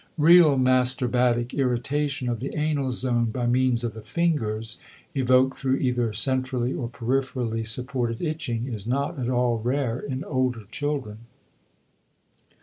Real masturbatic irritation of the anal zone by means of the fingers, evoked through either centrally or peripherally supported itching, is not at all rare in older children.